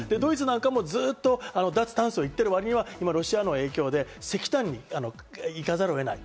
ドイツなんかもずっと脱炭素と言ってる割には今はロシアの影響で石炭に行かざるを得ない。